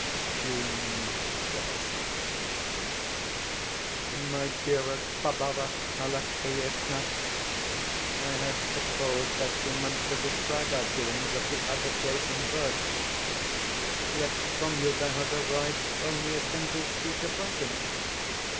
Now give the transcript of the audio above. June 12th. MY DEAREST BARBARA ALEXIEVNA I had supposed that you meant to describe our doings of the other day in verse; yet from you there has arrived only a single sheet of writing.